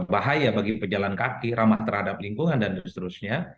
bahaya bagi pejalan kaki ramah terhadap lingkungan dan seterusnya